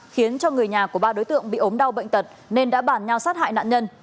khiến cho người nhà của ba đối tượng bị ốm đau bệnh tật nên đã bản nhau sát hại nạn nhân